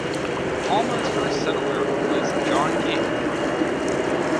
Palmer's first settler was John King.